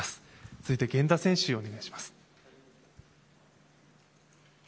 続いて源田選手、お願いします。